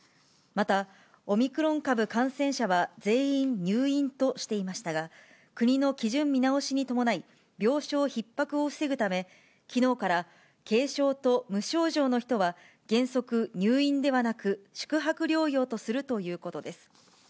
またオミクロン株感染者は、全員入院としていましたが、国の基準見直しに伴い、病床ひっ迫を防ぐため、きのうから、軽症と無症状の人は原則、入院ではなく、宿泊療養とするということです。